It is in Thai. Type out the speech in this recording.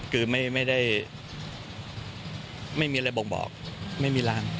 คือไม่ได้ไม่มีอะไรบ่งบอกไม่มีร่าง